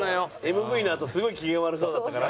ＭＶのあとすごい機嫌悪そうだったから。